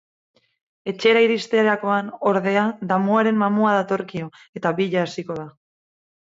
Etxera iristerakoan, ordea, damuaren mamua datorkio eta bila hasiko da.